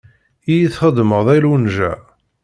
Iyi txedmeḍ a Lunǧa.